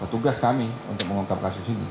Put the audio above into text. tugas kami untuk mengungkap kasus ini